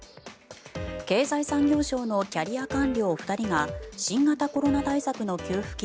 経済産業省のキャリア官僚２人が新型コロナ対策の給付金